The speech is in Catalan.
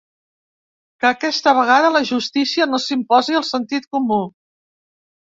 Que aquesta vegada la justícia no s'imposi al sentit comú.